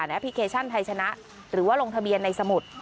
แอปพลิเคชันไทยชนะหรือว่าลงทะเบียนในสมุด